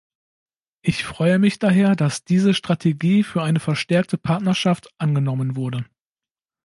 Ich freue mich daher, dass diese "Strategie für eine verstärkte Partnerschaft" angenommen wurde.